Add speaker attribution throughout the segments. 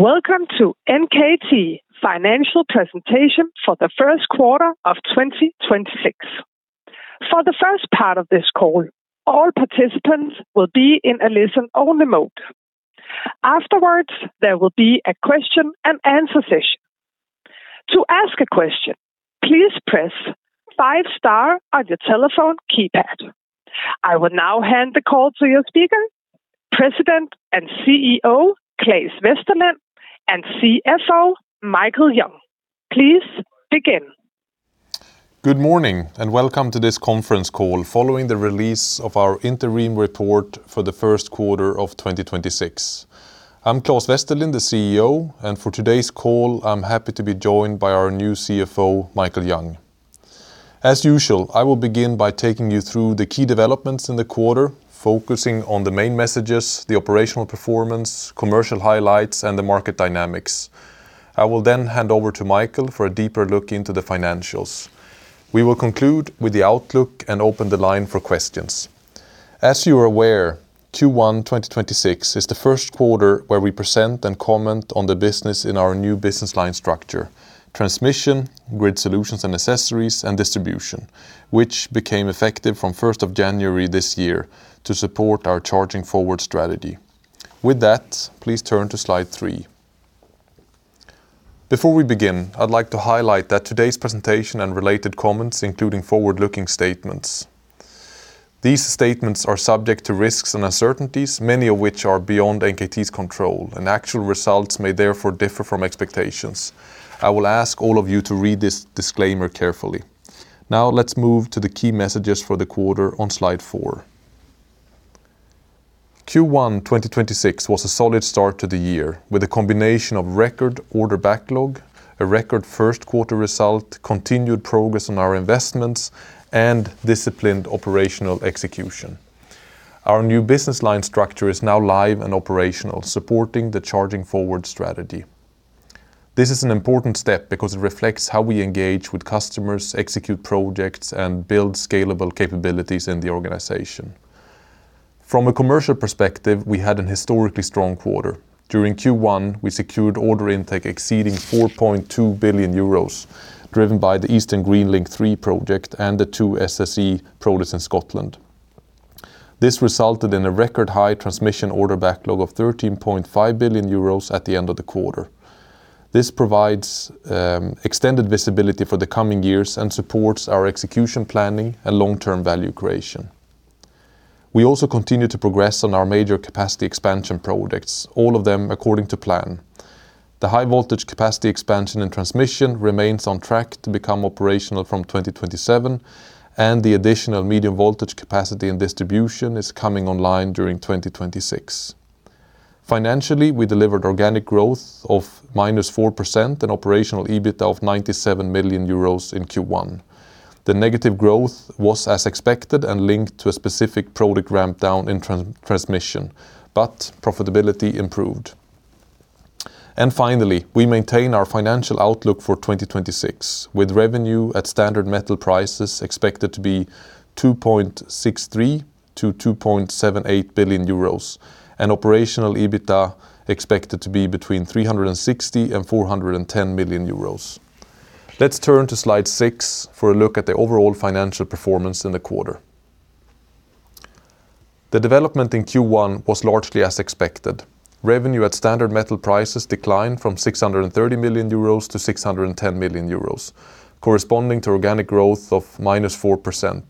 Speaker 1: Welcome to NKT financial presentation for the first quarter of 2026. For the first part of this call, all participants will be in a listen-only mode. Afterwards, there will be a question and answer session. To ask a question, please press five star on your telephone keypad. I will now hand the call to your speaker, President and CEO, Claes Westerlind, and CFO, Michael Yong. Please begin.
Speaker 2: Good morning, welcome to this conference call following the release of our interim report for the first quarter of 2026. I'm Claes Westerlind, the CEO, and for today's call, I'm happy to be joined by our new CFO, Michael Yong. As usual, I will begin by taking you through the key developments in the quarter, focusing on the main messages, the operational performance, commercial highlights, and the market dynamics. I will hand over to Michael for a deeper look into the financials. We will conclude with the outlook and open the line for questions. As you are aware, Q1 2026 is the first quarter where we present and comment on the business in our new business line structure, Transmission, Grid Solutions and Accessories, and Distribution, which became effective from first of January this year to support our Charging Forward strategy. Please turn to slide three. Before we begin, I'd like to highlight that today's presentation and related comments, including forward-looking statements. These statements are subject to risks and uncertainties, many of which are beyond NKT's control, and actual results may therefore differ from expectations. I will ask all of you to read this disclaimer carefully. Now, let's move to the key messages for the quarter on slide four. Q1 2026 was a solid start to the year with a combination of record order backlog, a record first quarter result, continued progress on our investments, and disciplined operational execution. Our new business line structure is now live and operational, supporting the Charging Forward strategy. This is an important step because it reflects how we engage with customers, execute projects, and build scalable capabilities in the organization. From a commercial perspective, we had an historically strong quarter. During Q1, we secured order intake exceeding 4.2 billion euros, driven by the Eastern Green Link 3 project and the two SSE projects in Scotland. This resulted in a record high transmission order backlog of 13.5 billion euros at the end of the quarter. This provides extended visibility for the coming years and supports our execution planning and long-term value creation. We also continue to progress on our major capacity expansion projects, all of them according to plan. The high voltage capacity expansion and transmission remains on track to become operational from 2027, and the additional medium voltage capacity and distribution is coming online during 2026. Financially, we delivered organic growth of -4% and operational EBITDA of 97 million euros in Q1. The negative growth was as expected and linked to a specific project ramp down in transmission, but profitability improved. Finally, we maintain our financial outlook for 2026, with revenue at standard metal prices expected to be 2.63 billion-2.78 billion euros and operational EBITDA expected to be between 360 million and 410 million euros. Let's turn to slide six for a look at the overall financial performance in the quarter. The development in Q1 was largely as expected. Revenue at standard metal prices declined from 630 million euros to 610 million euros, corresponding to organic growth of -4%.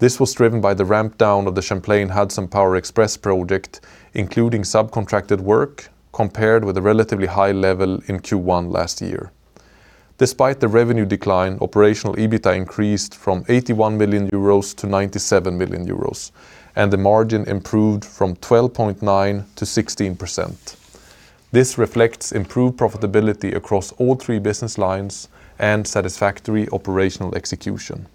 Speaker 2: This was driven by the ramp down of the Champlain Hudson Power Express project, including subcontracted work compared with a relatively high level in Q1 last year. Despite the revenue decline, operational EBITDA increased from 81 million euros to 97 million euros, and the margin improved from 12.9 to 16%. This reflects improved profitability across all three business lines and satisfactory operational execution.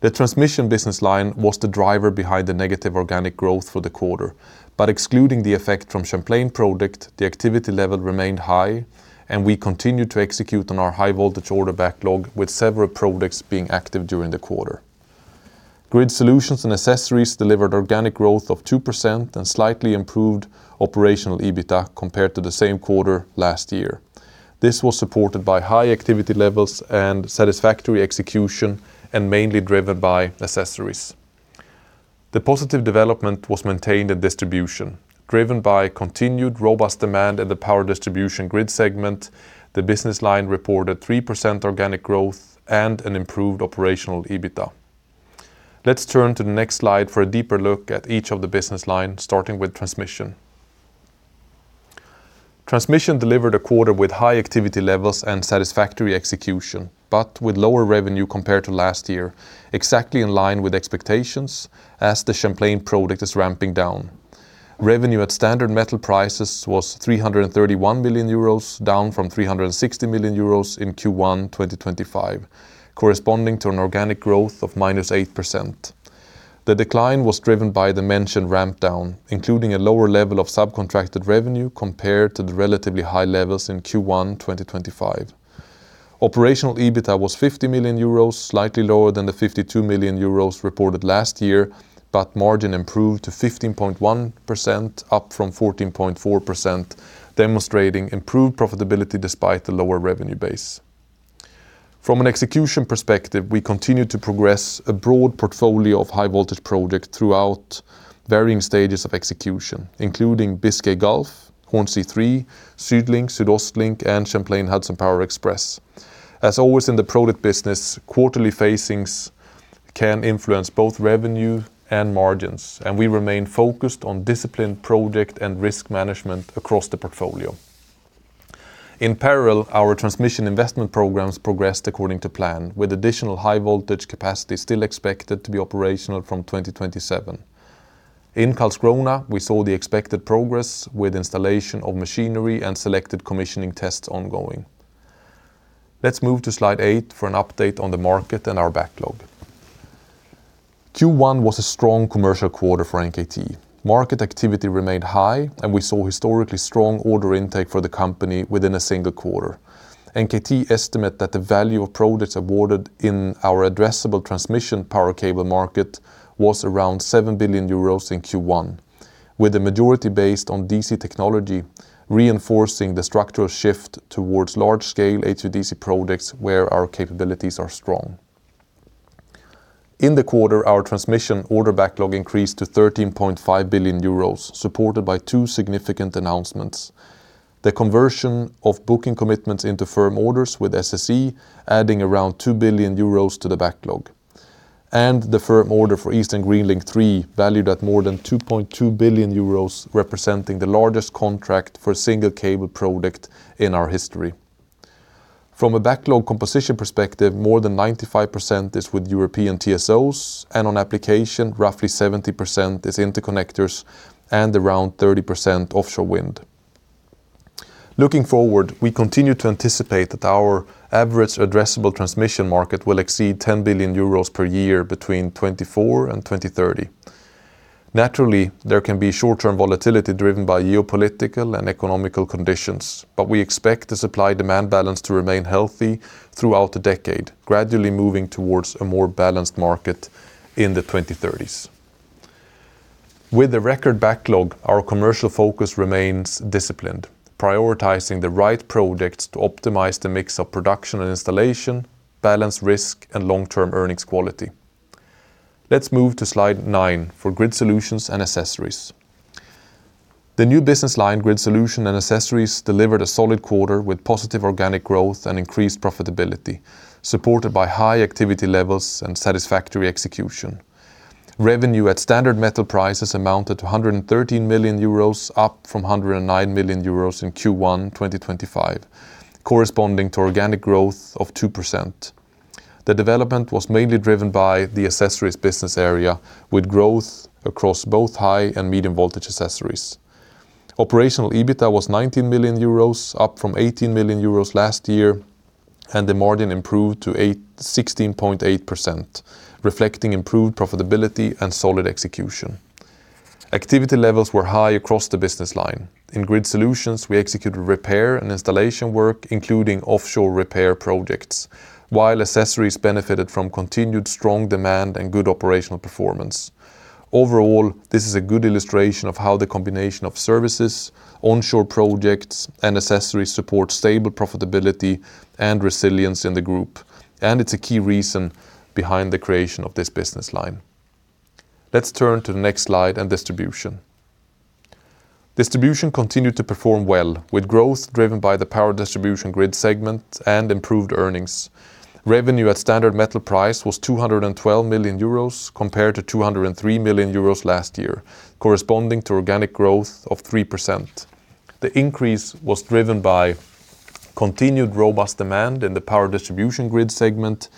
Speaker 2: The Transmission business line was the driver behind the negative organic growth for the quarter, but excluding the effect from Champlain project, the activity level remained high, and we continued to execute on our high-voltage order backlog, with several projects being active during the quarter. Grid Solutions and Accessories delivered organic growth of 2% and slightly improved operational EBITDA compared to the same quarter last year. This was supported by high activity levels and satisfactory execution and mainly driven by accessories. The positive development was maintained at distribution, driven by continued robust demand in the power distribution grid segment, the business line reported 3% organic growth and an improved operational EBITDA. Let's turn to the next slide for a deeper look at each of the business line, starting with Transmission. Transmission delivered a quarter with high activity levels and satisfactory execution, but with lower revenue compared to last year, exactly in line with expectations as the Champlain project is ramping down. Revenue at standard metal prices was 331 million euros, down from 360 million euros in Q1 2025, corresponding to an organic growth of -8%. The decline was driven by the mentioned ramp down, including a lower level of subcontracted revenue compared to the relatively high levels in Q1 2025. Operational EBITDA was 50 million euros, slightly lower than the 52 million euros reported last year, but margin improved to 15.1%, up from 14.4%, demonstrating improved profitability despite the lower revenue base. From an execution perspective, we continue to progress a broad portfolio of high-voltage project throughout varying stages of execution, including Biscay Gulf, Hornsea 3, SuedLink, SuedOstLink, and Champlain Hudson Power Express. As always in the project business, quarterly phasings can influence both revenue and margins, and we remain focused on disciplined project and risk management across the portfolio. In parallel, our transmission investment programs progressed according to plan, with additional high-voltage capacity still expected to be operational from 2027. In Karlskrona, we saw the expected progress with installation of machinery and selected commissioning tests ongoing. Let's move to slide eight for an update on the market and our backlog. Q1 was a strong commercial quarter for NKT. Market activity remained high, and we saw historically strong order intake for the company within a single quarter. NKT estimate that the value of projects awarded in our addressable transmission power cable market was around 7 billion euros in Q1, with the majority based on DC technology reinforcing the structural shift towards large-scale HVDC projects where our capabilities are strong. In the quarter, our transmission order backlog increased to 13.5 billion euros, supported by two significant announcements, the conversion of booking commitments into firm orders with SSE adding around 2 billion euros to the backlog, and the firm order for Eastern Green Link 3, valued at more than 2.2 billion euros, representing the largest contract for a single cable project in our history. From a backlog composition perspective, more than 95% is with European TSOs, and on application, roughly 70% is interconnectors and around 30% offshore wind. Looking forward, we continue to anticipate that our average addressable transmission market will exceed 10 billion euros per year between 2024 and 2030. Naturally, there can be short-term volatility driven by geopolitical and economic conditions, but we expect the supply-demand balance to remain healthy throughout the decade, gradually moving towards a more balanced market in the 2030s. With the record backlog, our commercial focus remains disciplined, prioritizing the right projects to optimize the mix of production and installation, balance risk, and long-term earnings quality. Let's move to slide nine for Grid Solutions and Accessories. The new business line, Grid Solutions and Accessories, delivered a solid quarter with positive organic growth and increased profitability, supported by high activity levels and satisfactory execution. Revenue at standard metal prices amounted to 113 million euros, up from 109 million euros in Q1 2025, corresponding to organic growth of 2%. The development was mainly driven by the accessories business area, with growth across both high and medium voltage accessories. Operational EBITDA was 19 million euros, up from 18 million euros last year. The margin improved to 16.8%, reflecting improved profitability and solid execution. Activity levels were high across the business line. In Grid Solutions, we executed repair and installation work, including offshore repair projects, while accessories benefited from continued strong demand and good operational performance. Overall, this is a good illustration of how the combination of services, onshore projects, and accessories support stable profitability and resilience in the group, and it's a key reason behind the creation of this business line. Let's turn to the next slide and Distribution. Distribution continued to perform well, with growth driven by the power distribution grid segment and improved earnings. Revenue at standard metal price was 212 million euros compared to 203 million euros last year, corresponding to organic growth of 3%. The increase was driven by continued robust demand in the power distribution grid segment,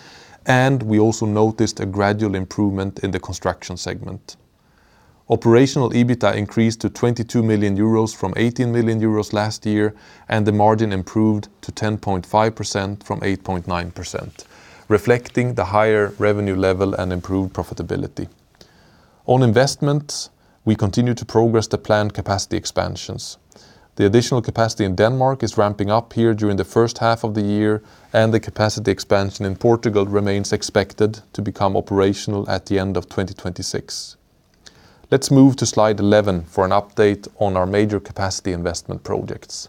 Speaker 2: and we also noticed a gradual improvement in the construction segment. Operational EBITDA increased to 22 million euros from 18 million euros last year, and the margin improved to 10.5% from 8.9%, reflecting the higher revenue level and improved profitability. On investment, we continue to progress the planned capacity expansions. The additional capacity in Denmark is ramping up here during the first half of the year, and the capacity expansion in Portugal remains expected to become operational at the end of 2026. Let's move to slide 11 for an update on our major capacity investment projects.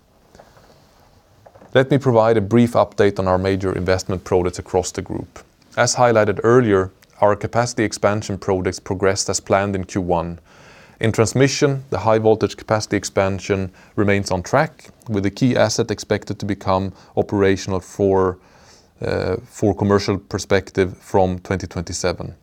Speaker 2: Let me provide a brief update on our major investment projects across the group. As highlighted earlier, our capacity expansion projects progressed as planned in Q1. In transmission, the high voltage capacity expansion remains on track, with the key asset expected to become operational for commercial perspective from 2027.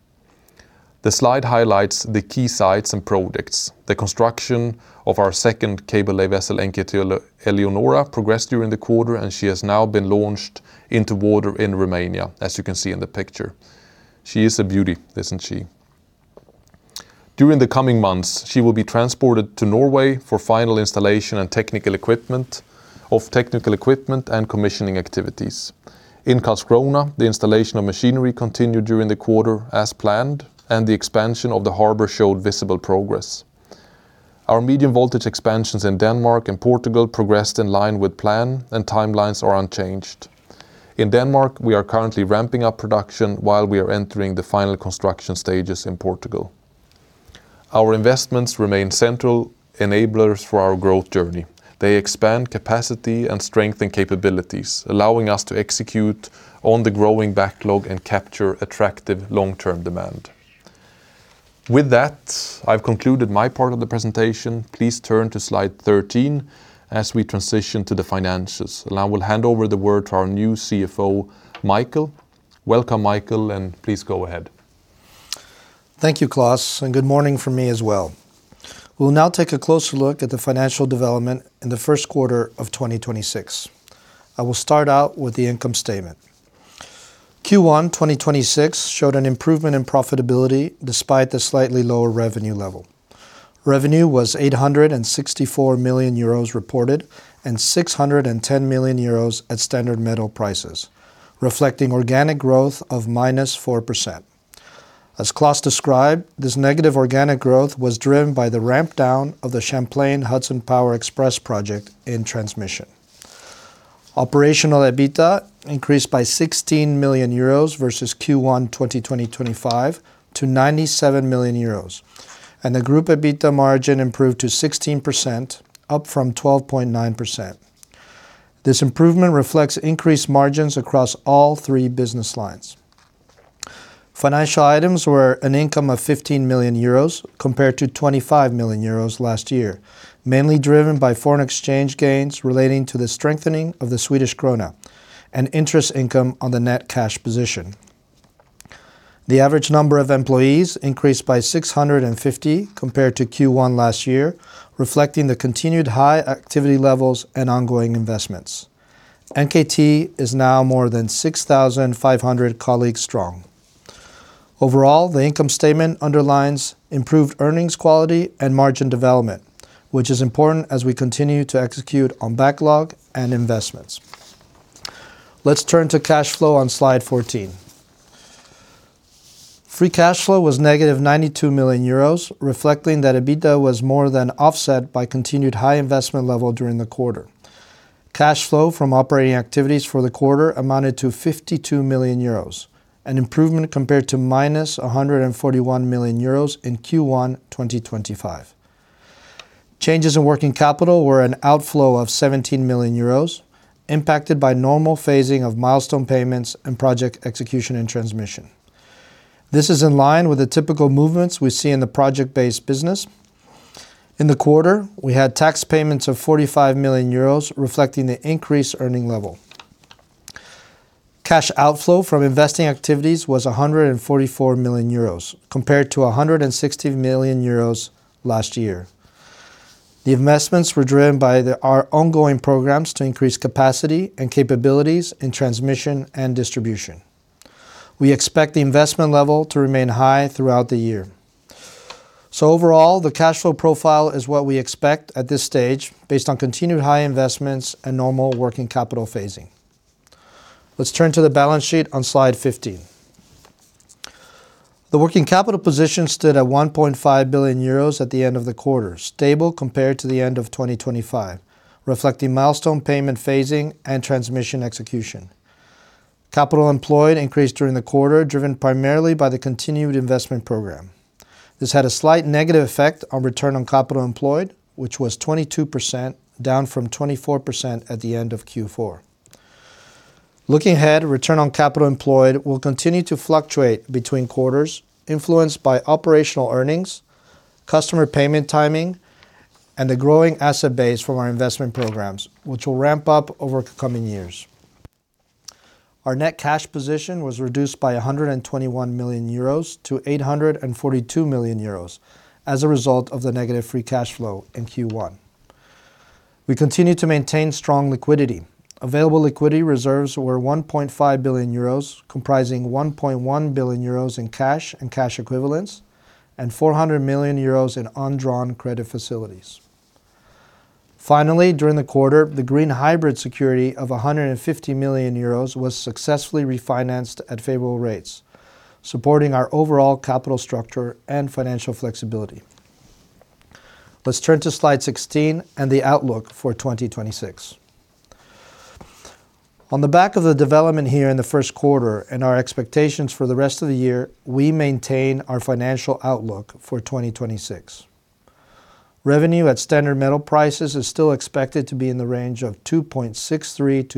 Speaker 2: The slide highlights the key sites and projects. The construction of our second cable-lay vessel, NKT Eleonora, progressed during the quarter, and she has now been launched into water in Romania, as you can see in the picture. She is a beauty, isn't she? During the coming months, she will be transported to Norway for final installation of technical equipment and commissioning activities. In Karlskrona, the installation of machinery continued during the quarter as planned, and the expansion of the harbor showed visible progress. Our medium voltage expansions in Denmark and Portugal progressed in line with plan and timelines are unchanged. In Denmark, we are currently ramping up production while we are entering the final construction stages in Portugal. Our investments remain central enablers for our growth journey. They expand capacity and strengthen capabilities, allowing us to execute on the growing backlog and capture attractive long-term demand. With that, I've concluded my part of the presentation. Please turn to slide 13 as we transition to the finances. Now I will hand over the word to our new CFO, Michael. Welcome, Michael, please go ahead.
Speaker 3: Thank you, Claes, good morning from me as well. We'll now take a closer look at the financial development in the first quarter of 2026. I will start out with the income statement. Q1 2026 showed an improvement in profitability despite the slightly lower revenue level. Revenue was 864 million euros reported and 610 million euros at standard metal prices, reflecting organic growth of -4%. As Claes described, this negative organic growth was driven by the ramp down of the Champlain Hudson Power Express project in transmission. Operational EBITDA increased by 16 million euros versus Q1 2025 to 97 million euros, and the group EBITDA margin improved to 16%, up from 12.9%. This improvement reflects increased margins across all three business lines. Financial items were an income of 15 million euros compared to 25 million euros last year, mainly driven by foreign exchange gains relating to the strengthening of the Swedish krona and interest income on the net cash position. The average number of employees increased by 650 compared to Q1 last year, reflecting the continued high activity levels and ongoing investments. NKT is now more than 6,500 colleagues strong. Overall, the income statement underlines improved earnings quality and margin development, which is important as we continue to execute on backlog and investments. Let's turn to cash flow on slide 14. Free cash flow was -92 million euros, reflecting that EBITDA was more than offset by continued high investment level during the quarter. Cash flow from operating activities for the quarter amounted to 52 million euros, an improvement compared to -141 million euros in Q1 2025. Changes in working capital were an outflow of 17 million euros, impacted by normal phasing of milestone payments and project execution and transmission. This is in line with the typical movements we see in the project-based business. In the quarter, we had tax payments of 45 million euros, reflecting the increased earning level. Cash outflow from investing activities was 144 million euros, compared to 160 million euros last year. The investments were driven by our ongoing programs to increase capacity and capabilities in transmission and distribution. We expect the investment level to remain high throughout the year. Overall, the cash flow profile is what we expect at this stage based on continued high investments and normal working capital phasing. Let's turn to the balance sheet on slide 15. The working capital position stood at 1.5 billion euros at the end of the quarter, stable compared to the end of 2025, reflecting milestone payment phasing and transmission execution. Capital employed increased during the quarter, driven primarily by the continued investment program. This had a slight negative effect on return on capital employed, which was 22%, down from 24% at the end of Q4. Looking ahead, return on capital employed will continue to fluctuate between quarters, influenced by operational earnings, customer payment timing, and the growing asset base from our investment programs, which will ramp up over the coming years. Our net cash position was reduced by 121 million euros to 842 million euros as a result of the negative free cash flow in Q1. We continue to maintain strong liquidity. Available liquidity reserves were 1.5 billion euros, comprising 1.1 billion euros in cash and cash equivalents and 400 million euros in undrawn credit facilities. Finally, during the quarter, the green hybrid security of 150 million euros was successfully refinanced at favorable rates, supporting our overall capital structure and financial flexibility. Let's turn to slide 16 and the outlook for 2026. On the back of the development here in the first quarter and our expectations for the rest of the year, we maintain our financial outlook for 2026. Revenue at standard metal prices is still expected to be in the range of 2.63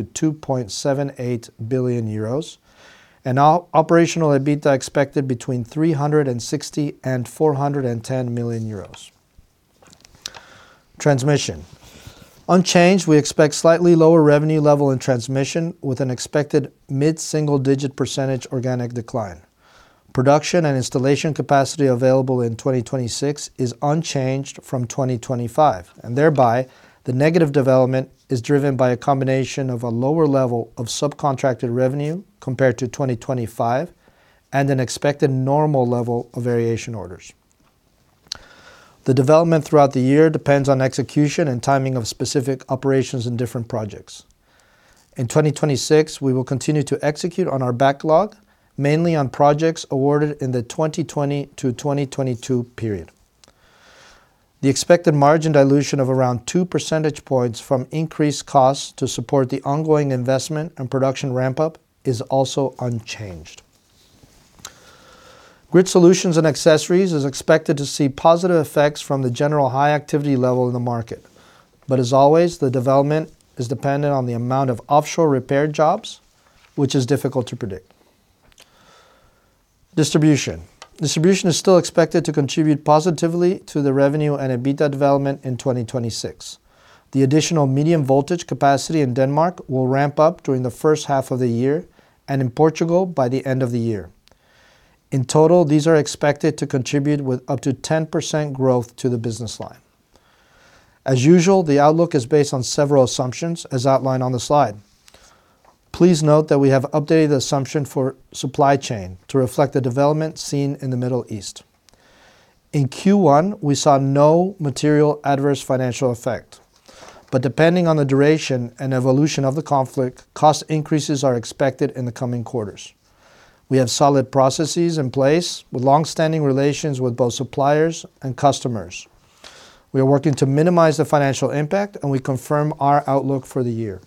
Speaker 3: billion-2.78 billion euros, and operational EBITDA expected between 360 million and 410 million euros. Transmission. Unchanged, we expect slightly lower revenue level in transmission with an expected mid-single digit percentage organic decline. Production and installation capacity available in 2026 is unchanged from 2025, and thereby the negative development is driven by a combination of a lower level of subcontracted revenue compared to 2025 and an expected normal level of variation orders. The development throughout the year depends on execution and timing of specific operations in different projects. In 2026, we will continue to execute on our backlog, mainly on projects awarded in the 2020 to 2022 period. The expected margin dilution of around 2 percentage points from increased costs to support the ongoing investment and production ramp-up is also unchanged. Grid Solutions and Accessories is expected to see positive effects from the general high activity level in the market. As always, the development is dependent on the amount of offshore repair jobs, which is difficult to predict. Distribution is still expected to contribute positively to the revenue and EBITDA development in 2026. The additional medium voltage capacity in Denmark will ramp up during the first half of the year and in Portugal by the end of the year. In total, these are expected to contribute with up to 10% growth to the business line. As usual, the outlook is based on several assumptions, as outlined on the slide. Please note that we have updated the assumption for supply chain to reflect the development seen in the Middle East. In Q1, we saw no material adverse financial effect. Depending on the duration and evolution of the conflict, cost increases are expected in the coming quarters. We have solid processes in place with long-standing relations with both suppliers and customers. We are working to minimize the financial impact, and we confirm our outlook for the year.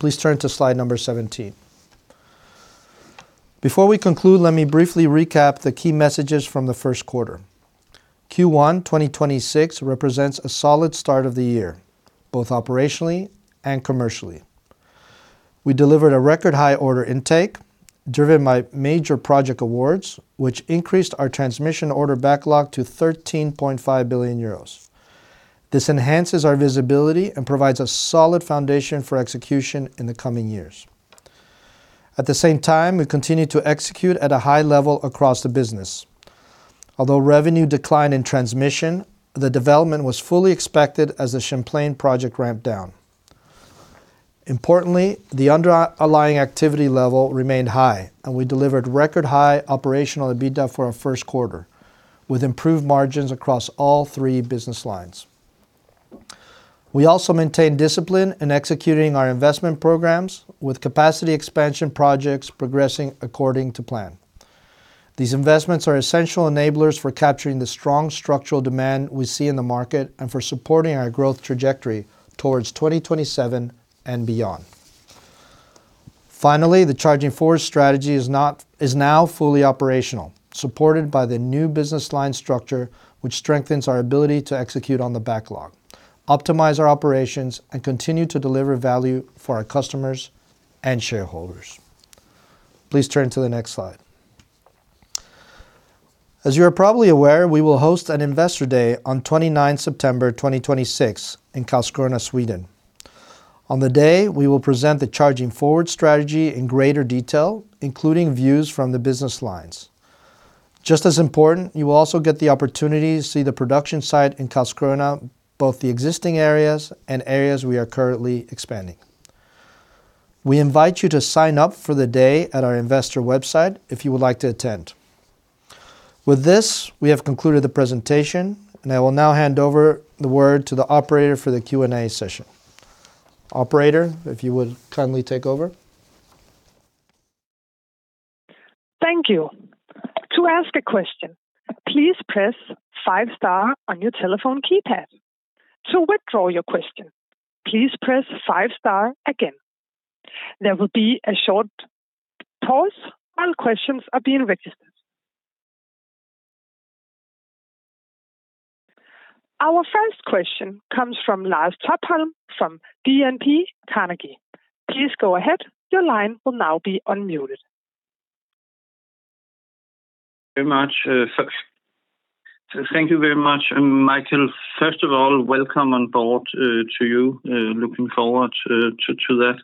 Speaker 3: Please turn to slide number 17. Before we conclude, let me briefly recap the key messages from the first quarter. Q1 2026 represents a solid start of the year, both operationally and commercially. We delivered a record high order intake driven by major project awards, which increased our transmission order backlog to 13.5 billion euros. This enhances our visibility and provides a solid foundation for execution in the coming years. At the same time, we continue to execute at a high level across the business. Although revenue declined in transmission, the development was fully expected as the Champlain project ramped down. Importantly, the underlying activity level remained high, and we delivered record high operational EBITDA for our first quarter, with improved margins across all three business lines. We also maintain discipline in executing our investment programs, with capacity expansion projects progressing according to plan. These investments are essential enablers for capturing the strong structural demand we see in the market and for supporting our growth trajectory towards 2027 and beyond. Finally, the Charging Forward strategy is now fully operational, supported by the new business line structure, which strengthens our ability to execute on the backlog, optimize our operations, and continue to deliver value for our customers and shareholders. Please turn to the next slide. As you are probably aware, we will host an Investor Day on 29th September 2026 in Karlskrona, Sweden. On the day, we will present the Charging Forward strategy in greater detail, including views from the business lines. Just as important, you will also get the opportunity to see the production site in Karlskrona, both the existing areas and areas we are currently expanding. We invite you to sign up for the day at our investor website if you would like to attend. With this, we have concluded the presentation, and I will now hand over the word to the operator for the Q&A session. Operator, if you would kindly take over.
Speaker 1: Thank you. To ask a question, please press five star on your telephone keypad. To withdraw your question, please press five star again. There will be a short pause while questions are being registered. Our first question comes from Lars Topholm from DNB Carnegie. Please go ahead. Your line will now be unmuted.
Speaker 4: Very much, thank you very much, Michael. First of all, welcome on board to you. Looking forward to that.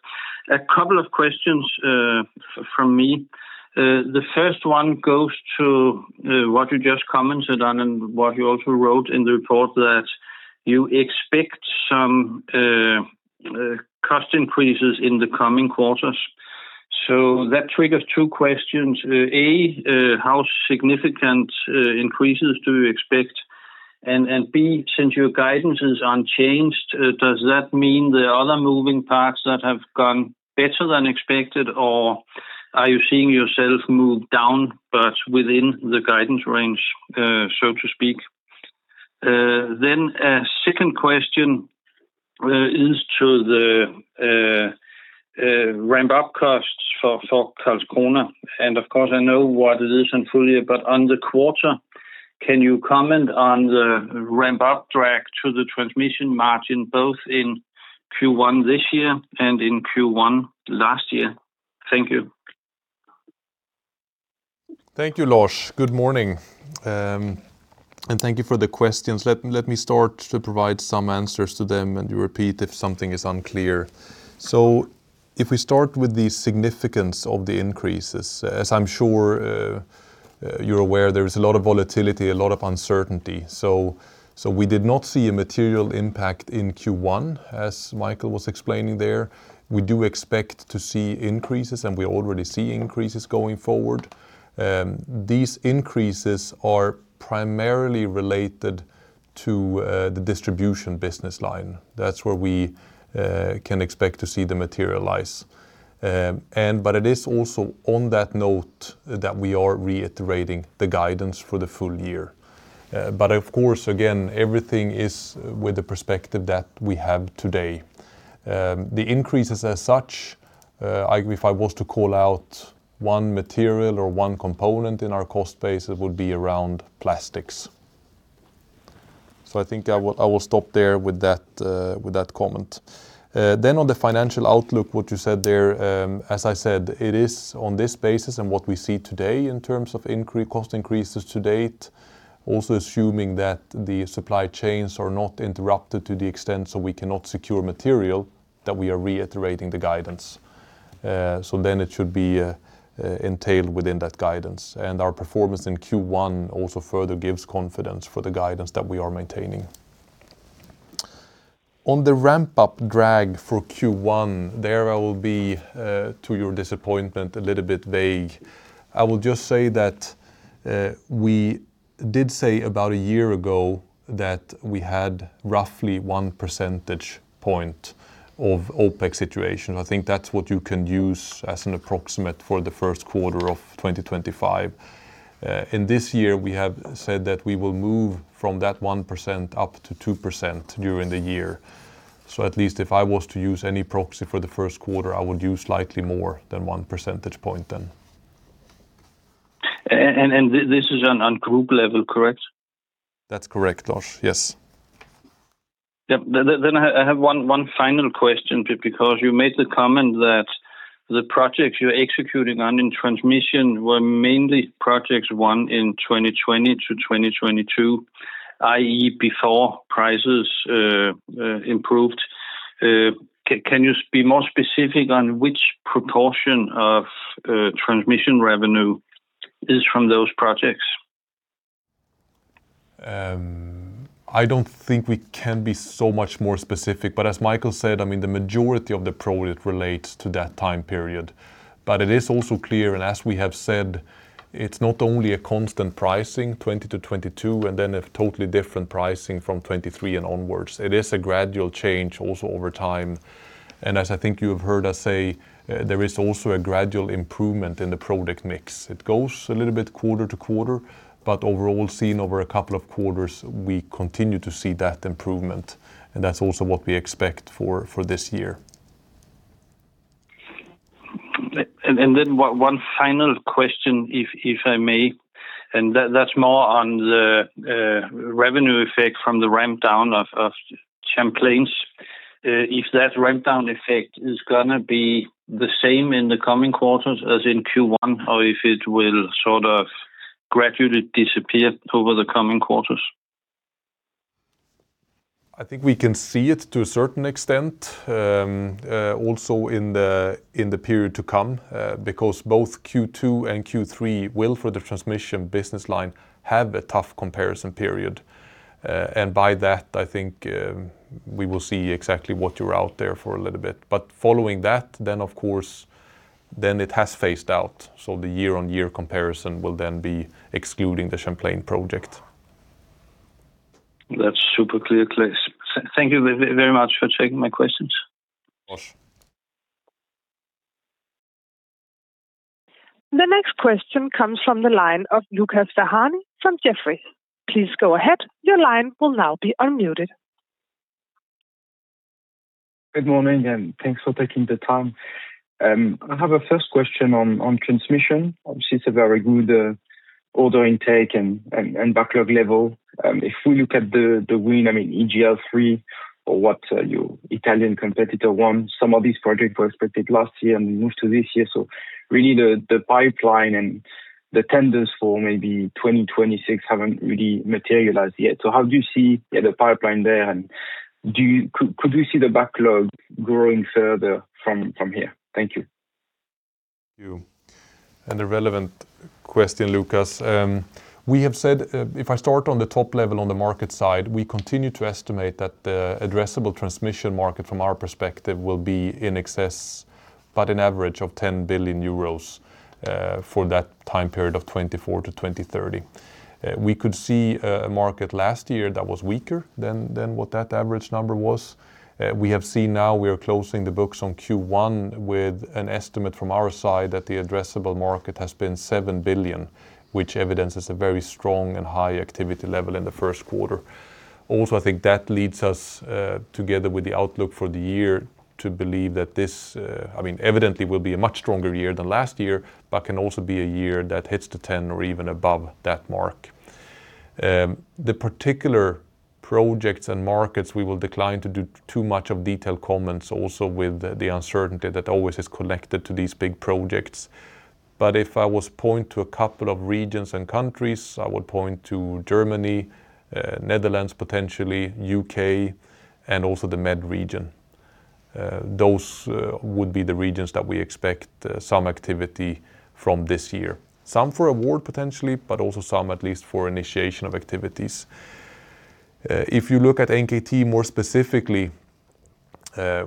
Speaker 4: A couple of questions from me. The first one goes to what you just commented on and what you also wrote in the report that you expect some cost increases in the coming quarters. That triggers two questions. A, how significant increases do you expect? B, since your guidance is unchanged, does that mean there are other moving parts that have gone better than expected? Are you seeing yourself move down but within the guidance range, so to speak? A second question is to the ramp-up costs for Karlskrona. Of course, I know what it is in full year, but on the quarter, can you comment on the ramp-up drag to the transmission margin, both in Q1 this year and in Q1 last year? Thank you.
Speaker 2: Thank you, Lars. Good morning. Thank you for the questions. Let me start to provide some answers to them, and you repeat if something is unclear. If we start with the significance of the increases, as I'm sure you're aware there's a lot of volatility, a lot of uncertainty. We did not see a material impact in Q1, as Michael was explaining there. We do expect to see increases, and we already see increases going forward. These increases are primarily related to the Distribution business line. That's where we can expect to see them materialize. It is also on that note that we are reiterating the guidance for the full year. Of course, again, everything is with the perspective that we have today. The increases as such, if I was to call out one material or one component in our cost base, it would be around plastics. I think I will stop there with that comment. On the financial outlook, what you said there, as I said, it is on this basis and what we see today in terms of cost increases to date, also assuming that the supply chains are not interrupted to the extent so we cannot secure material, that we are reiterating the guidance. It should be entailed within that guidance, and our performance in Q1 also further gives confidence for the guidance that we are maintaining. On the ramp-up drag for Q1, there I will be, to your disappointment, a little bit vague. I will just say that we did say about a year ago that we had roughly 1 percentage point of OpEx situation. I think that's what you can use as an approximate for the first quarter of 2025. In this year, we have said that we will move from that 1% up to 2% during the year. At least if I was to use any proxy for the first quarter, I would use slightly more than 1 percentage point then.
Speaker 4: This is on group level, correct?
Speaker 2: That's correct, Lars, yes.
Speaker 4: Yep. I have one final question because you made the comment that the projects you're executing on in transmission were mainly projects won in 2020 to 2022, i.e., before prices improved. Can you be more specific on which proportion of transmission revenue is from those projects?
Speaker 2: I don't think we can be so much more specific, as Michael said, I mean, the majority of the project relates to that time period. It is also clear, as we have said, it's not only a constant pricing, 2020, 2022, then a totally different pricing from 2023 and onwards. It is a gradual change also over time. As I think you have heard us say, there is also a gradual improvement in the project mix. It goes a little bit quarter to quarter, overall, seen over a couple of quarters, we continue to see that improvement, that's also what we expect for this year.
Speaker 4: Then one final question, if I may, and that's more on the revenue effect from the ramp down of Champlain's. If that ramp down effect is gonna be the same in the coming quarters as in Q1, or if it will sort of gradually disappear over the coming quarters?
Speaker 2: I think we can see it to a certain extent, also in the period to come, because both Q2 and Q3 will, for the Transmission business line, have a tough comparison period. By that, I think, we will see exactly what you're out there for a little bit. Following that, then of course, then it has phased out. The year-on-year comparison will then be excluding the Champlain project.
Speaker 4: That's super clear, Claes. Thank you very much for taking my questions.
Speaker 2: Of course.
Speaker 1: The next question comes from the line of Lucas Ferhani from Jefferies. Please go ahead. Your line will now be unmuted.
Speaker 5: Good morning, and thanks for taking the time. I have a first question on transmission. Obviously, it's a very good, order intake and backlog level. If we look at the win, I mean, EGL3 or what, Italian competitor won, some of these projects were expected last year and moved to this year. Really the pipeline and the tenders for maybe 2026 haven't really materialized yet. How do you see the pipeline there, and do you see the backlog growing further from here? Thank you.
Speaker 2: Thank you. A relevant question, Lucas. We have said, if I start on the top level on the market side, we continue to estimate that the addressable transmission market from our perspective will be in excess about an average of 10 billion euros for that time period of 2024 to 2030. We could see a market last year that was weaker than what that average number was. We have seen now we are closing the books on Q1 with an estimate from our side that the addressable market has been 7 billion, which evidences a very strong and high activity level in the first quarter. I think that leads us, together with the outlook for the year to believe that this, I mean, evidently will be a much stronger year than last year, but can also be a year that hits the 10 or even above that mark. The particular projects and markets, we will decline to do too much of detailed comments also with the uncertainty that always is connected to these big projects. If I was point to a couple of regions and countries, I would point to Germany, Netherlands, potentially U.K., and also the Med region. Those would be the regions that we expect some activity from this year. Some for award potentially, but also some at least for initiation of activities. If you look at NKT more specifically,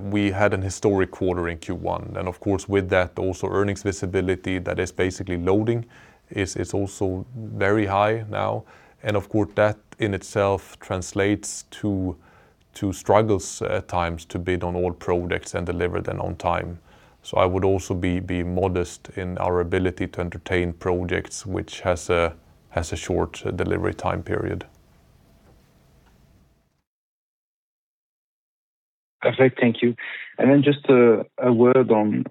Speaker 2: we had an historic quarter in Q1, of course, with that also earnings visibility that is basically loading is also very high now. Of course that in itself translates to struggles at times to bid on all projects and deliver them on time. I would also be modest in our ability to entertain projects, which has a short delivery time period.
Speaker 5: Perfect. Thank you. Just a word on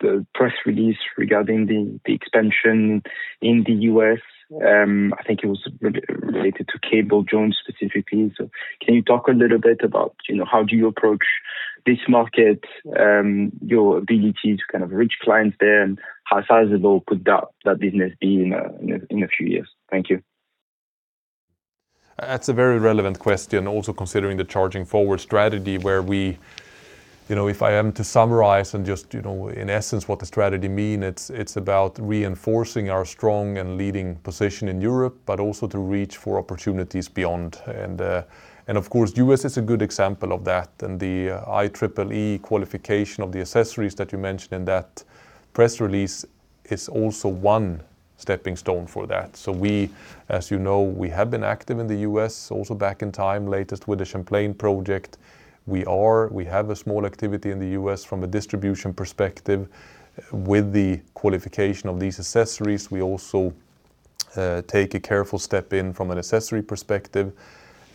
Speaker 5: the press release regarding the expansion in the U.S. I think it was related to cable joints specifically. Can you talk a little bit about, you know, how do you approach this market, your ability to kind of reach clients there, and how sizable could that business be in a few years? Thank you.
Speaker 2: That's a very relevant question also considering the Charging Forward strategy where we, you know, if I am to summarize and just, you know, in essence what the strategy mean, it's about reinforcing our strong and leading position in Europe, but also to reach for opportunities beyond. Of course, U.S. is a good example of that, and the IEEE qualification of the accessories that you mentioned in that press release is also one stepping stone for that. We, as you know, we have been active in the U.S. also back in time, latest with the Champlain project. We have a small activity in the U.S. from a distribution perspective. With the qualification of these accessories, we also take a careful step in from an accessory perspective.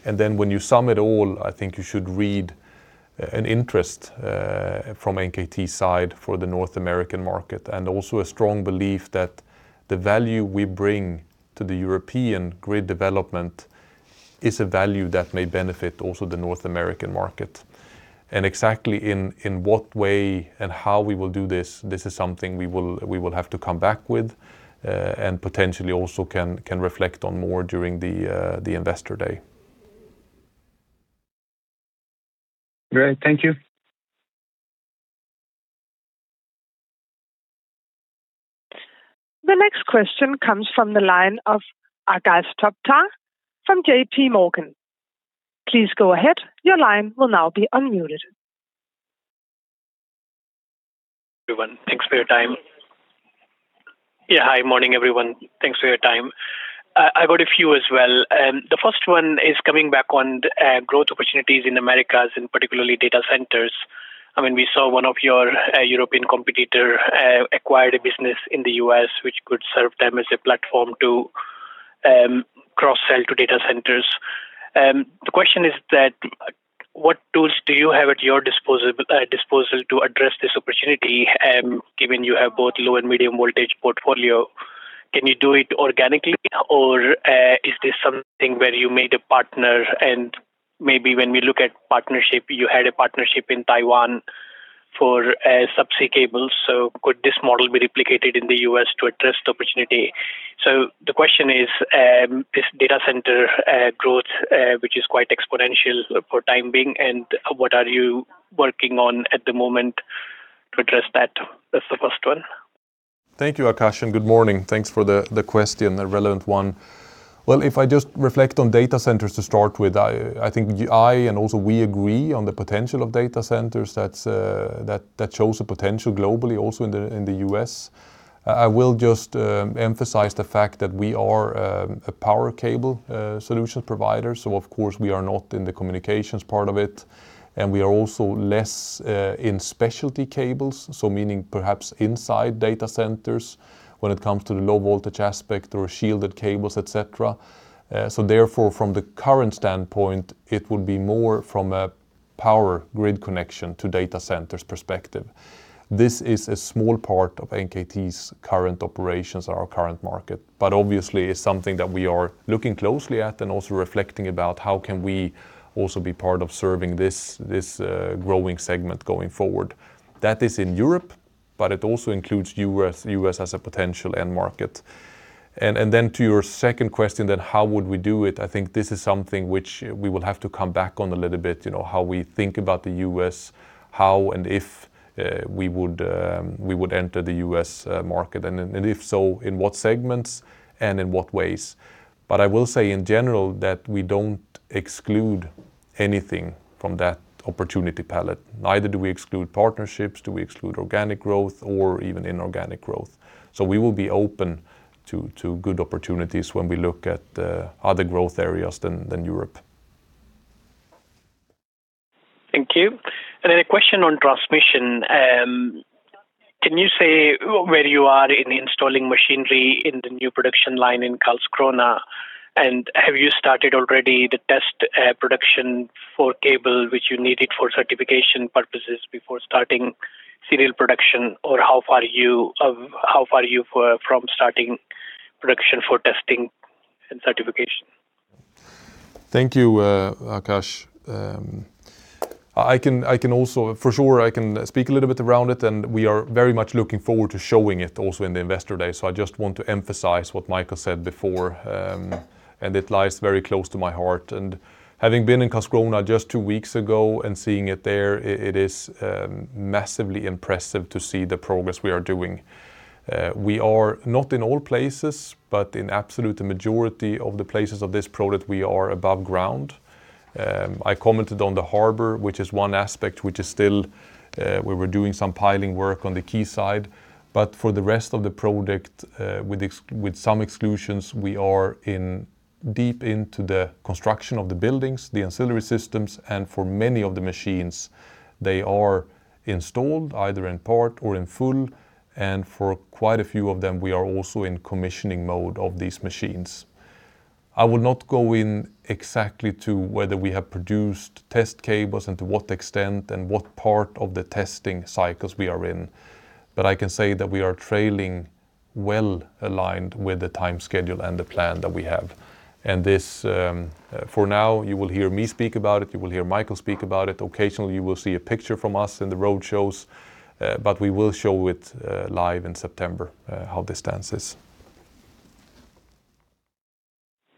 Speaker 2: When you sum it all, I think you should read an interest from NKT side for the North American market, and also a strong belief that the value we bring to the European grid development is a value that may benefit also the North American market. Exactly in what way and how we will do this is something we will have to come back with, and potentially also can reflect on more during the Investor Day.
Speaker 5: Great. Thank you.
Speaker 1: The next question comes from the line of Akash Gupta from JPMorgan. Please go ahead, your line will now be unmuted.
Speaker 6: Everyone, thanks for your time. Yeah, hi, morning everyone. Thanks for your time. I've got a few as well. The first one is coming back on growth opportunities in Americas and particularly data centers. I mean, we saw one of your European competitor acquired a business in the U.S. which could serve them as a platform to cross-sell to data centers. The question is that what tools do you have at your disposal to address this opportunity, given you have both low and medium voltage portfolio? Can you do it organically or is this something where you made a partner and maybe when we look at partnership, you had a partnership in Taiwan for subsea cables. Could this model be replicated in the U.S. to address the opportunity? The question is data center growth, which is quite exponential for time being, and what are you working on at the moment to address that? That is the first one.
Speaker 2: Thank you, Akash, and good morning. Thanks for the question, a relevant one. Well, if I just reflect on data centers to start with, I think I and also we agree on the potential of data centers that's that shows a potential globally also in the U.S. I will just emphasize the fact that we are a power cable solution provider, so of course we are not in the communications part of it. We are also less in specialty cables, so meaning perhaps inside data centers when it comes to the low voltage aspect or shielded cables, et cetera. Therefore from the current standpoint, it would be more from a power grid connection to data centers perspective. This is a small part of NKT's current operations or our current market. Obviously it's something that we are looking closely at and also reflecting about how can we also be part of serving this growing segment going forward. That is in Europe, but it also includes U.S. as a potential end market. To your second question, how would we do it? I think this is something which we will have to come back on a little bit. You know, how we think about the U.S., how and if we would enter the U.S. market, and if so, in what segments and in what ways. I will say in general that we don't exclude anything from that opportunity palette. Neither do we exclude partnerships, do we exclude organic growth or even inorganic growth. We will be open to good opportunities when we look at other growth areas than Europe.
Speaker 6: Thank you. A question on transmission. Can you say where you are in installing machinery in the new production line in Karlskrona? Have you started already the test production for cable which you needed for certification purposes before starting serial production? How far are you from starting production for testing and certification?
Speaker 2: Thank you, Akash. I can also speak a little bit around it. We are very much looking forward to showing it also in the investor day. I just want to emphasize what Michael said before. It lies very close to my heart. Having been in Karlskrona just two weeks ago and seeing it there, it is massively impressive to see the progress we are doing. We are not in all places, in absolute majority of the places of this project we are above ground. I commented on the harbor, which is one aspect which is still where we're doing some piling work on the key side. For the rest of the project, with some exclusions, we are deep into the construction of the buildings, the ancillary systems, and for many of the machines, they are installed either in part or in full, and for quite a few of them, we are also in commissioning mode of these machines. I will not go in exactly to whether we have produced test cables, and to what extent and what part of the testing cycles we are in. I can say that we are trailing well aligned with the time schedule and the plan that we have. This, for now, you will hear me speak about it, you will hear Michael speak about it. Occasionally, you will see a picture from us in the road shows, but we will show it live in September, how this stands.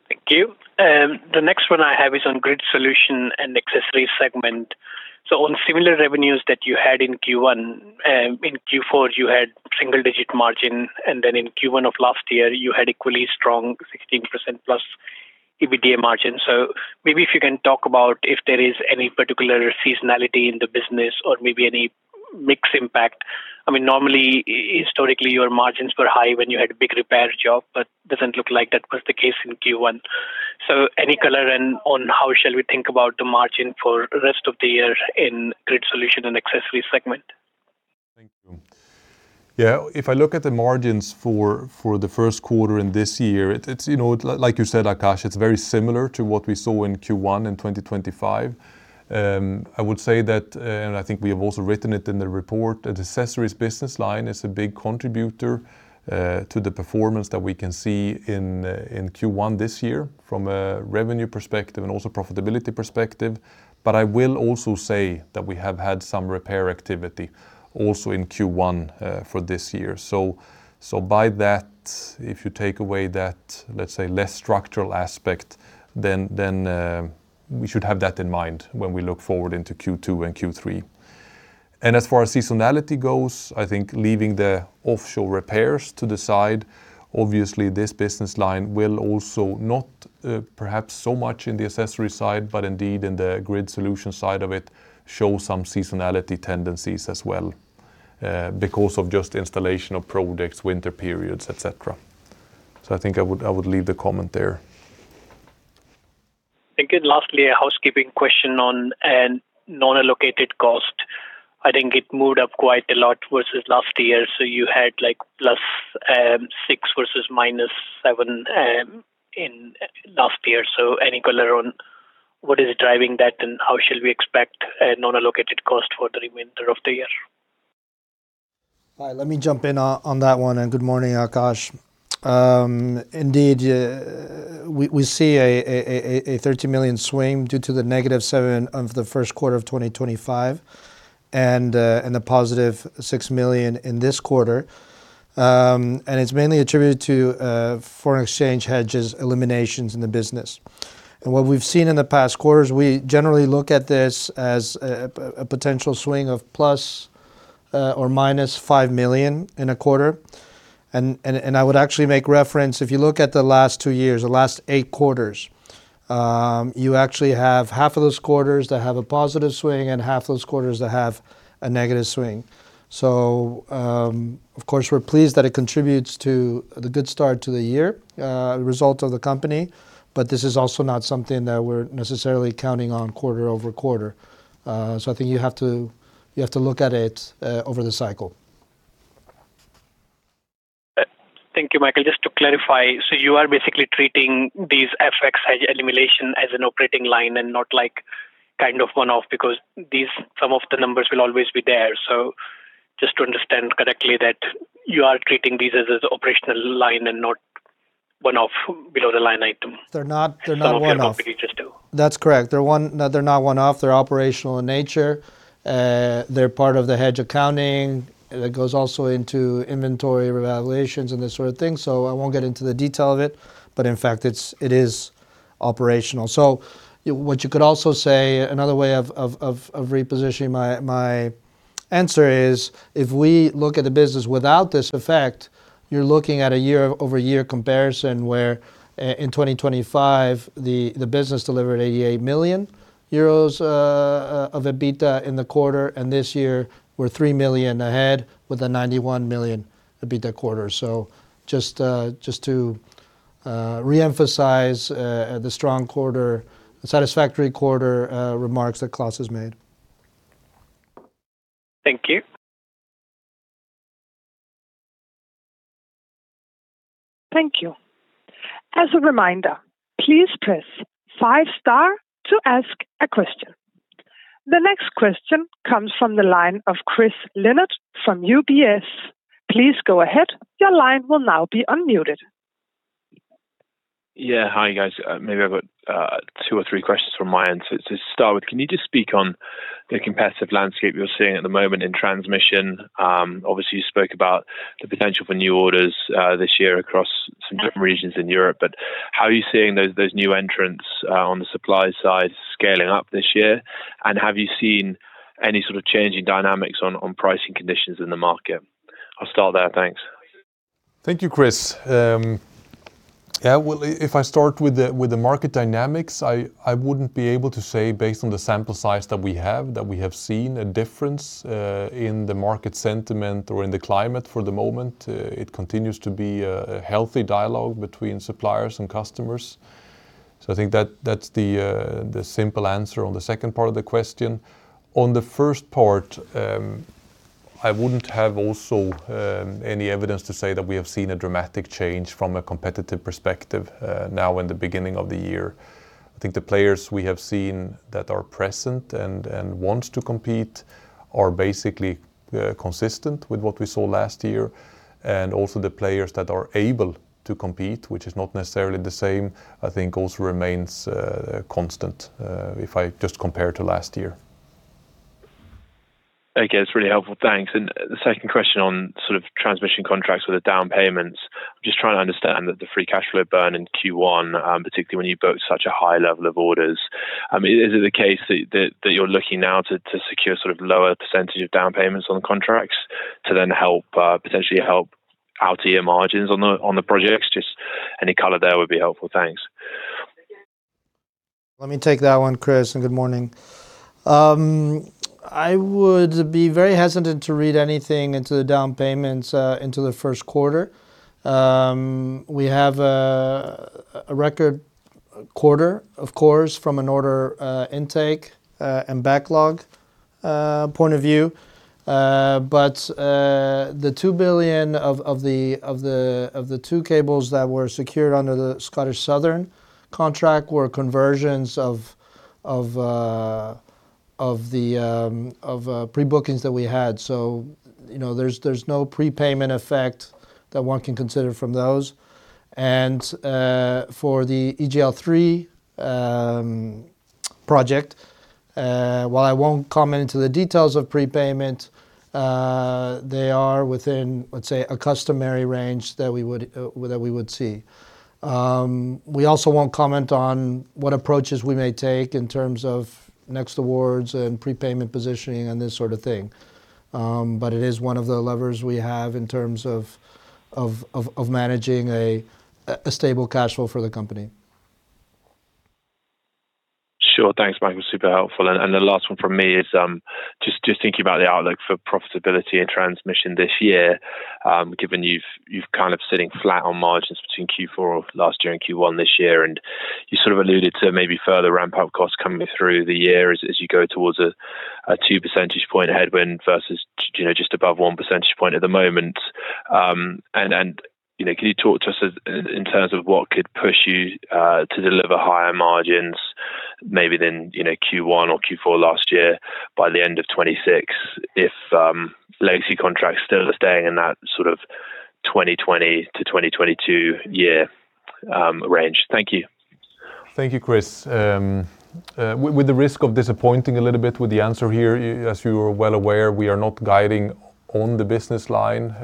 Speaker 6: Thank you. The next one I have is on Grid Solutions and Accessories Segment. On similar revenues that you had in Q1, in Q4, you had single-digit margin, and then in Q1 of last year, you had equally strong 16%+ EBITDA margin. Maybe if you can talk about if there is any particular seasonality in the business or maybe any mix impact. I mean normally, historically, your margins were high when you had a big repair job, but doesn't look like that was the case in Q1. Any color on how shall we think about the margin for rest of the year in Grid Solutions and Accessories segment?
Speaker 2: Thank you. If I look at the margins for the first quarter in this year, it's, you know, like you said, Akash, it's very similar to what we saw in Q1 in 2025. I would say that I think we have also written it in the report, that Accessories business line is a big contributor to the performance that we can see in Q1 this year from a revenue perspective and also profitability perspective. I will also say that we have had some repair activity also in Q1 for this year. By that, if you take away that, let's say, less structural aspect, we should have that in mind when we look forward into Q2 and Q3. As far as seasonality goes, I think leaving the offshore repairs to the side, obviously, this business line will also, not perhaps so much in the accessories side, but indeed in the grid solutions side of it, show some seasonality tendencies as well, because of just installation of projects, winter periods, et cetera. I think I would leave the comment there.
Speaker 6: Thank you. Lastly, a housekeeping question on a non-allocated cost. I think it moved up quite a lot versus last year. You had +6 versus -7 last year. Any color on what is driving that, and how shall we expect a non-allocated cost for the remainder of the year?
Speaker 3: All right, let me jump in on that one, and good morning, Akash. Indeed, we see a 30 million swing due to the -7 million of the first quarter of 2025 and the +6 million in this quarter. It's mainly attributed to foreign exchange hedges eliminations in the business. What we've seen in the past quarters, we generally look at this as a potential swing of ±5 million in a quarter. I would actually make reference, if you look at the last two years, the last eight quarters, you actually have half those quarters that have a positive swing and half those quarters that have a negative swing. Of course, we are pleased that it contributes to the good start to the year, result of the company, but this is also not something that we are necessarily counting on quarter over quarter. I think you have to look at it over the cycle.
Speaker 6: Thank you, Michael. Just to clarify, you are basically treating FX hedge elimination as an operating line and not like kind of one-off because some of the numbers will always be there. Just to understand correctly that you are treating these as operational line and not one-off below the line item.
Speaker 3: They're not one-off.
Speaker 6: Some of your competitors do.
Speaker 3: That's correct. No, they're not one-off. They're operational in nature. They're part of the hedge accounting that goes also into inventory revaluations and this sort of thing. I won't get into the detail of it, but in fact, it is operational. What you could also say, another way of repositioning my answer is, if we look at the business without this effect, you're looking at a year-over-year comparison, where in 2025, the business delivered 88 million euros of EBITDA in the quarter, and this year we're 3 million ahead with a 91 million EBITDA quarter. Just to reemphasize the satisfactory quarter remarks that Claes has made.
Speaker 6: Thank you.
Speaker 1: Thank you. As a reminder, please press five star to ask a question. The next question comes from the line of Chris Leonard from UBS. Please go ahead.
Speaker 7: Yeah. Hi, guys. Maybe I've got two or three questions from my end. To start with, can you just speak on the competitive landscape you're seeing at the moment in transmission? obviously you spoke about the potential for new orders this year across some different regions in Europe. How are you seeing those new entrants on the supply side scaling up this year? Have you seen any sort of change in dynamics on pricing conditions in the market? I'll start there. Thanks.
Speaker 2: Thank you, Chris. Yeah, well, if I start with the market dynamics, I wouldn't be able to say based on the sample size that we have, that we have seen a difference in the market sentiment or in the climate for the moment. It continues to be a healthy dialogue between suppliers and customers. I think that's the simple answer on the second part of the question. On the first part, I wouldn't have also any evidence to say that we have seen a dramatic change from a competitive perspective now in the beginning of the year. I think the players we have seen that are present and want to compete are basically consistent with what we saw last year. Also the players that are able to compete, which is not necessarily the same, I think also remains constant, if I just compare to last year.
Speaker 7: Okay. It is really helpful. Thanks. The second question on sort of transmission contracts with the down payments. I am just trying to understand the free cash flow burn in Q1, particularly when you book such a high level of orders. I mean, is it the case that you are looking now to secure sort of lower percentage of down payments on contracts to then help, potentially help out your margins on the projects? Just any color there would be helpful. Thanks.
Speaker 3: Let me take that one, Chris, good morning. I would be very hesitant to read anything into the down payments into the first quarter. We have a record quarter, of course, from an order intake and backlog point of view. The 2 billion of the two cables that were secured under the Scottish Southern contract were conversions of the pre-bookings that we had. You know, there's no prepayment effect that one can consider from those. For the EGL3 project, while I won't comment into the details of prepayment, they are within, let's say, a customary range that we would see. We also won't comment on what approaches we may take in terms of next awards and prepayment positioning and this sort of thing. It is one of the levers we have in terms of managing a stable cash flow for the company.
Speaker 7: Sure. Thanks, Michael. Super helpful. The last one from me is, just thinking about the outlook for profitability and transmission this year, given you've kind of sitting flat on margins between Q4 of last year and Q1 this year, and you sort of alluded to maybe further ramp-up costs coming through the year as you go towards a 2 percentage point headwind versus just above 1 percentage point at the moment. Can you talk to us in terms of what could push you to deliver higher margins maybe than Q1 or Q4 last year by the end of 2026 if legacy contracts still are staying in that sort of 2020 to 2022 year range? Thank you.
Speaker 2: Thank you, Chris. With the risk of disappointing a little bit with the answer here, as you are well aware, we are not guiding on the business line,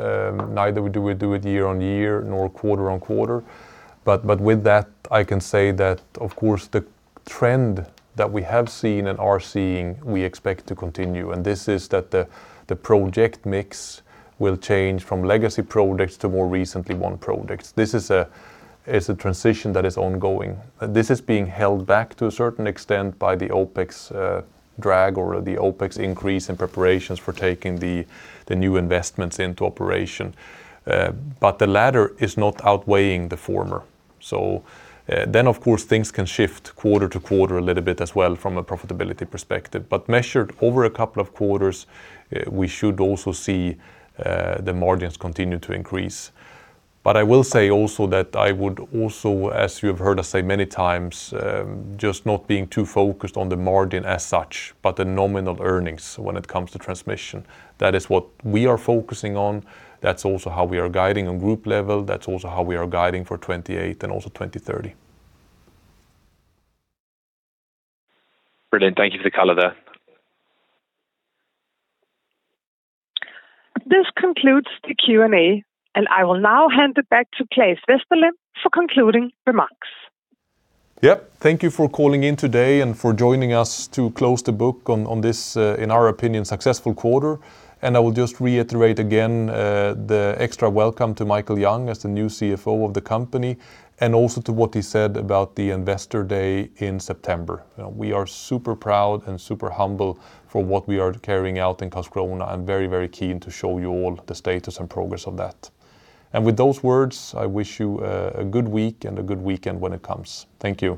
Speaker 2: neither do we do it year on year nor quarter on quarter. With that, I can say that, of course, the trend that we have seen and are seeing, we expect to continue, and this is that the project mix will change from legacy projects to more recently won projects. It's a transition that is ongoing. This is being held back to a certain extent by the OpEx drag or the OpEx increase in preparations for taking the new investments into operation. The latter is not outweighing the former. Then of course, things can shift quarter to quarter a little bit as well from a profitability perspective. Measured over a couple of quarters, we should also see the margins continue to increase. I will say also that I would also, as you have heard us say many times, just not being too focused on the margin as such, but the nominal earnings when it comes to transmission. That is what we are focusing on. That's also how we are guiding on group level. That's also how we are guiding for 2028 and also 2030.
Speaker 7: Brilliant. Thank you for the color there.
Speaker 1: This concludes the Q&A, and I will now hand it back to Claes Westerlind for concluding remarks.
Speaker 2: Yeah. Thank you for calling in today and for joining us to close the book on this, in our opinion, successful quarter. I will just reiterate again, the extra welcome to Michael Yong as the new CFO of the company, and also to what he said about the Investor Day in September. We are super proud and super humble for what we are carrying out in Karlskrona and very keen to show you all the status and progress of that. With those words, I wish you a good week and a good weekend when it comes. Thank you.